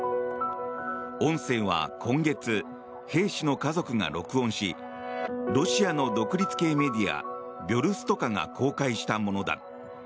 音声は今月、兵士の家族が録音しロシアの独立系メディアビョルストカが公開したものだ。